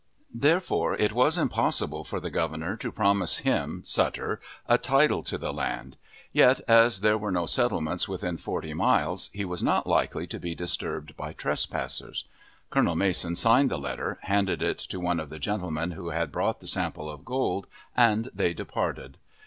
Therefore it was impossible for the Governor to promise him (Sutter) a title to the land; yet, as there were no settlements within forty miles, he was not likely to be disturbed by trespassers. Colonel Mason signed the letter, handed it to one of the gentlemen who had brought the sample of gold, and they departed.